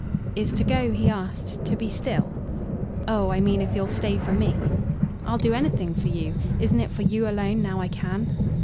"Is to 'go,'" he asked, "to be still?" "Oh I mean if you'll stay for me." "I'll do anything for you. Isn't it for you alone now I can?"